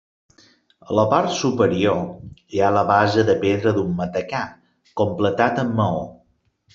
A la part superior hi ha la base de pedra d'un matacà, completat amb maó.